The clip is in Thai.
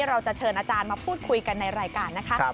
เราจะเชิญอาจารย์มาพูดคุยกันในรายการนะคะ